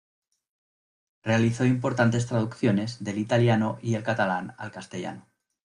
Realizó importantes traducciones del italiano y el catalán al castellano.